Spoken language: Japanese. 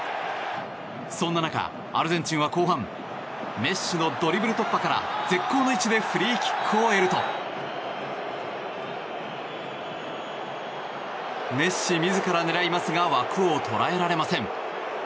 そんな中、アルゼンチンは後半メッシのドリブル突破から絶好の位置でフリーキックを得るとメッシ自ら狙いますが枠を捉えられません。